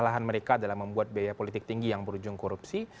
kesalahan mereka adalah membuat biaya politik tinggi yang berujung korupsi